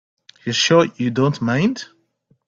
You're sure you don't mind?